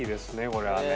これはね